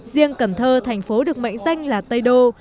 riêng cần thơ thành phố được mệnh danh là tây đô